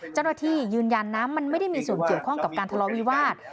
เจ้าหน้าที่ยืนยันนะมันไม่ได้มีส่วนเกี่ยวข้องกับการทะเลาะวิวาส